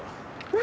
何？